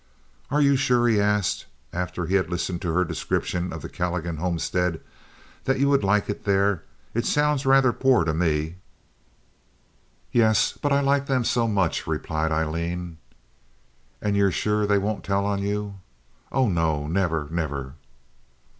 "Are you sure," he asked, after he had listened to her description of the Calligan homestead, "that you would like it there? It sounds rather poor to me." "Yes, but I like them so much," replied Aileen. "And you're sure they won't tell on you?" "Oh, no; never, never!"